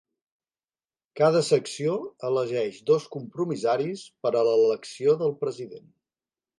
Cada secció elegeix dos compromissaris per a l'elecció del president.